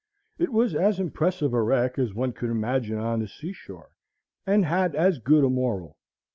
It was as impressive a wreck as one could imagine on the sea shore, and had as good a moral.